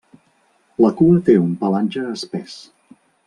La cua té un pelatge espès.